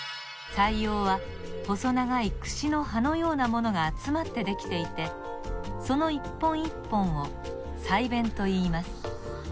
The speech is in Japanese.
鰓葉は細長いくしの歯のようなものがあつまってできていてこの一本一本を鰓弁といいます。